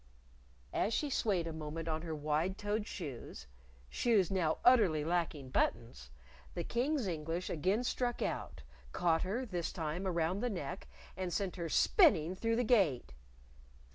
As she swayed a moment on her wide toed shoes shoes now utterly lacking buttons the King's English again struck out, caught her, this time, around the neck, and sent her spinning through the Gate!